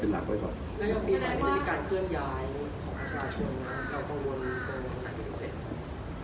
เรากังวลตัวของท่านพิเศษ